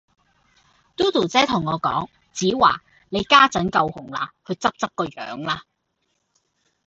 Dodo 姐同我講：子華，你家陣夠紅啦，去執執個樣啦